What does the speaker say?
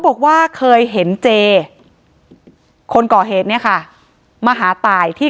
บอกว่าเคยเห็นเจคนก่อเหตุเนี่ยค่ะมาหาตายที่